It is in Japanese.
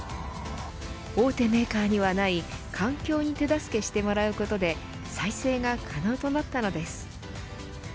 大手メーカーにはない環境に手助けしてもらうことで再生が可能となったのです。